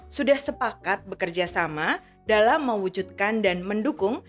sudah sepakat bekerjasama dalam mewujudkan dan mendukung